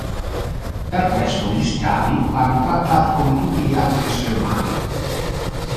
Per questo gli schiavi vanno trattati come tutti gli altri esseri umani.